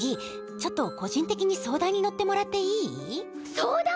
ちょっと個人的に相談に乗ってもらっていい？相談？